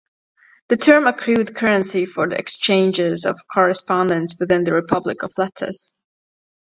The term accrued currency for the exchanges of correspondence within the Republic of Letters.